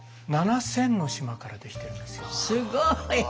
すごい。